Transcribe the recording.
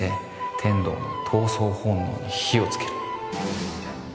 天堂の闘争本能に火をつける